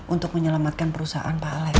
untuk menyelamatkan perusahaan pak alex